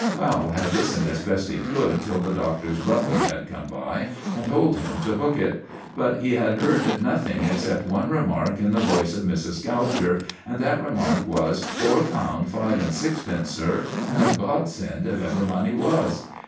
Fowle had listened as best he could till the Doctor's butler had come by and told him to hook it; but he had heard nothing except one remark in the voice of Mrs. Gouger, and that remark was, "Four pound five and sixpence, sir, and a godsend if ever money was."